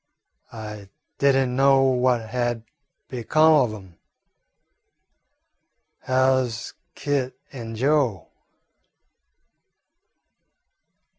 I did n't know what had become of 'em. How 's Kit an' Joe?"